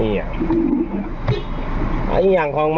สวัสดีครับทุกคน